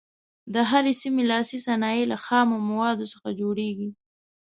د هرې سیمې لاسي صنایع له خامو موادو څخه جوړیږي.